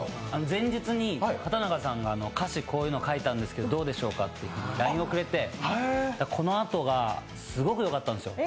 前日に畠中さんが歌詞こういうの書いたんですがどうでしょうかとＬＩＮＥをくれて、このあとが、すごくよかったんですよ。